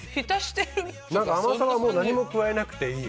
甘さを何も加えなくていい。